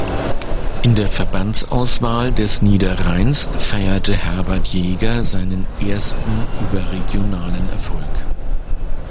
In der Verbandsauswahl des Niederrheins feierte Herbert Jäger seinen ersten überregionalen Erfolg.